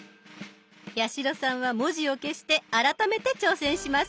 八代さんは文字を消して改めて挑戦します。